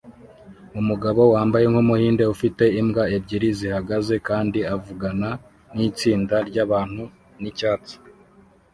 Umugabo wambaye nkumuhinde ufite imbwa ebyiri zihagaze kandi avugana nitsinda ryabantu nicyatsi